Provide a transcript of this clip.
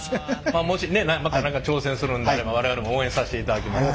まあもしまた何か挑戦するんであれば我々も応援させていただきます。